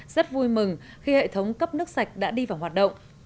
rất vui mừng khi hệ thống cấp nước sạch đã đi vào hoạt động